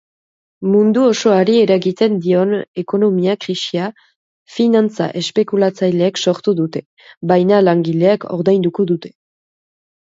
Mundu osoari eragiten dion ekonomia-krisia finantza-espekulatzaileek sortu dute, baina langileek ordainduko dute.